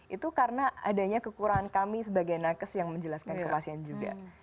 itu karena adanya kekurangan kami sebagai nakes yang menjelaskan ke pasien juga